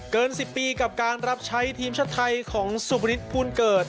เกินสิบปีกับการรับใช้ทีมชาวไทยของสุกฤทธิ์พูลเกิด